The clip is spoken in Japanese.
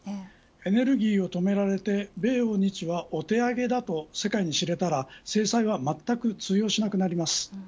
エネルギーを止められて米欧日はお手上げだと世界に知られたら経済制裁はまったく通用しなくなります。